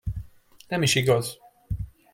Nem is igaz!